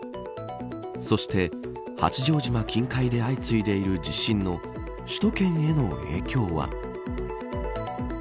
そして、八丈島近海で相次いでいる地震の首都圏への影響は。